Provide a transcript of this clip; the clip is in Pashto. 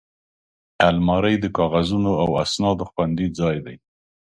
الماري د کاغذونو او اسنادو خوندي ځای دی